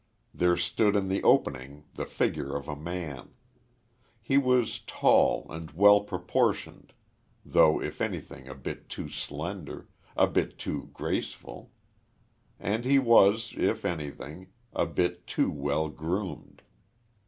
There stood in the opening the figure of a man. He was tall, and well proportioned, though if anything a bit too slender a bit too graceful; and he was, if anything, a bit too well groomed.